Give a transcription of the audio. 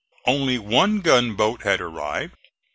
Only one gunboat had arrived.